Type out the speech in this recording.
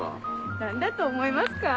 何だと思いますか？